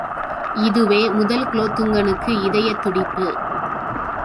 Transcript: இதுவே முதல் குலோத்துங்கனுக்கு இதயத் துடிப்பு.